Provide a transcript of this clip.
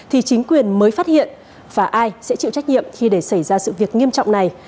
thì chính quyền mới phát hiện và ai sẽ chịu trách nhiệm khi để xảy ra sự việc nghiêm trọng này